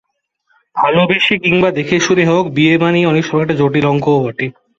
ভালোবেসে কিংবা দেখে-শুনে হোক, বিয়ে মানে অনেক সময় একটি জটিল অঙ্কও বটে।